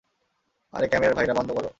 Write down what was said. আরে ক্যামেরার ভাইয়েরা বন্ধ করো।